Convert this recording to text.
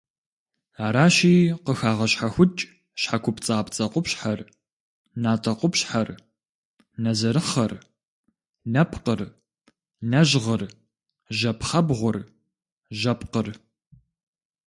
Аращи, къыхагъэщхьэхукӏ щхьэкупцӏапцӏэ къупщхьэр, натӏэ къупщхьэр, нэзэрыхъэр, нэпкъыр, нэжьгъыр, жьэ пхъэбгъур, жьэпкъыр.